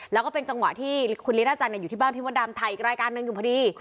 แล้วก็เป็นจังหวะที่คุณลีน่าจันทร์อยู่ที่บ้านพี่มดดำถ่ายอีกรายการหนึ่งอยู่พอดี